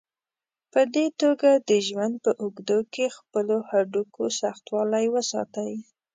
په دې توګه د ژوند په اوږدو کې خپلو هډوکو سختوالی وساتئ.